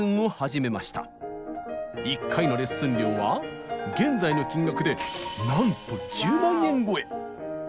１回のレッスン料は現在の金額でなんと１０万円超え！